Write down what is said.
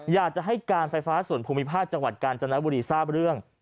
อยากจะให้การไฟฟ้าส่วนภูมิภาคจังหวัดกาญจนบุรีทราบเรื่อง